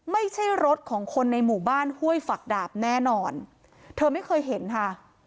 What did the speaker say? ไม่ใช่รถของคนในหมู่บ้านห้วยฝักดาบแน่นอนเธอไม่เคยเห็นค่ะ